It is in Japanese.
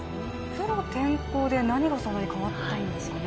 プロ転向で何がそんなに変わったんですかね？